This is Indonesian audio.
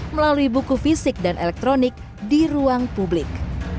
melalui buku fisik dan elektronik di ruang publik